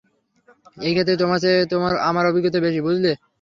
এই ক্ষেত্রে তোমার চেয়ে আমার অভিজ্ঞতা বেশি, বুঝলে?